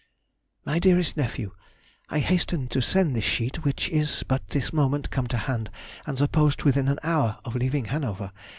MY DEAREST NEPHEW,— I hasten to send this sheet, which is but this moment come to hand, and the post within an hour of leaving Hanover.